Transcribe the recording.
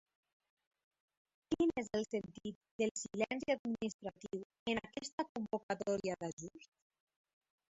Quin és el sentit del silenci administratiu en aquesta convocatòria d'ajuts?